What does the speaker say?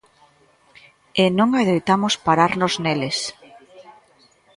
E non adoitamos pararnos neles.